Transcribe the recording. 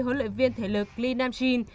huấn luyện viên thể lực lee nam jin